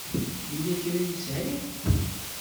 Yella kra ay sɛiɣ?